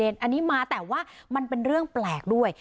อันนี้มาแต่ว่ามันเป็นเรื่องแปลกด้วย